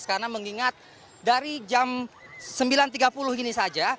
karena mengingat dari jam sembilan tiga puluh ini saja